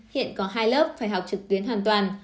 hiện có hai lớp phải học trực tuyến hoàn toàn